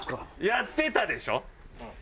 やってたでしょ？